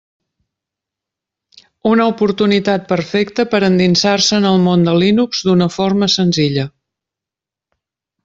Una oportunitat perfecta per endinsar-se en el món de Linux d'una forma senzilla.